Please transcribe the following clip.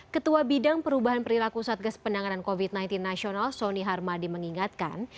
ketua bidang perubahan perilaku satgas penanganan covid sembilan belas nasional sony harmadi mengingatkan